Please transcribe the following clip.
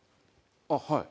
ああはい。